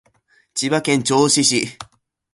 千葉県銚子市